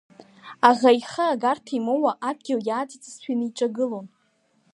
Аӷа ихы агарҭа имоуа, адгьыл иааҵаҵызшәа инеиҿагылон.